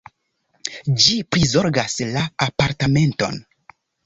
Ĝi prizorgas la apartamenton.